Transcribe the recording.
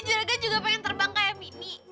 jaga juga pengen terbang kayak mini